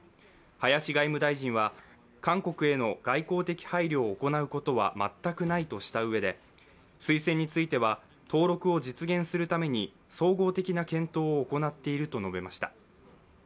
林外務大臣は韓国への外交的配慮を行うことは全くないとしたうえで推薦については、登録を実現するために総合的な検討を行っていると述べました。